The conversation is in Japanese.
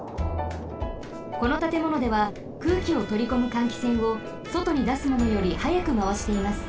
このたてものでは空気をとりこむ換気扇をそとにだすものよりはやくまわしています。